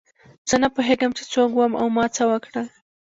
زه نه پوهېږم چې زه څوک وم او ما څه وکړل.